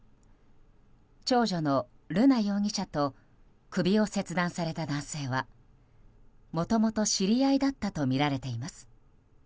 長女の瑠奈容疑者と首を切断された男性はもともと知り合いだったとみられています。